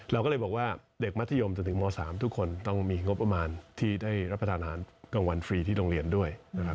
เราก็เลยบอกว่าเด็กมัธยมจนถึงม๓ทุกคนต้องมีงบประมาณที่ได้รับประทานอาหารกลางวันฟรีที่โรงเรียนด้วยนะครับ